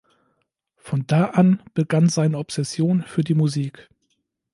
Von da an begann seine Obsession für die Musik.